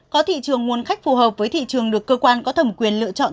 có thị trường nguồn khách phù hợp với thị trường được cơ quan có thẩm quyền lựa chọn